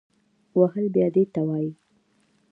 وهل بیا دې ته وایي